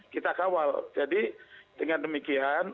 kita kawal jadi dengan demikian